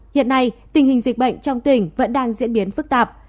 hiện nay tình hình dịch bệnh trong tỉnh vẫn đang diễn biến phức tạp